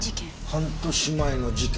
半年前の事件。